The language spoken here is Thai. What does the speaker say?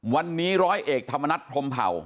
วันนี้ร้อยเอกธรรมนัฐพรมเผ่า